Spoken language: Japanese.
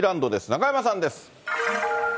中山さんです。